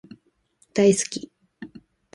大好き